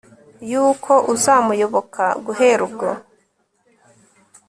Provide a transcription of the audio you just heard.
y'uko uzamuyoboka, guhera ubwo